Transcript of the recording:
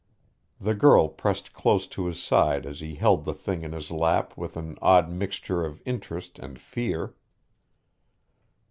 The girl pressed close to his side as he held the thing in his lap with an odd mixture of interest and fear.